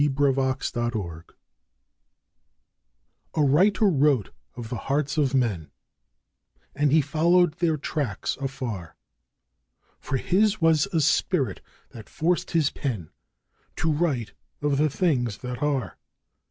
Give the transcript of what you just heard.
THE WRITER'S DREAM A writer wrote of the hearts of men, and he followed their tracks afar; For his was a spirit that forced his pen to write of the things that are.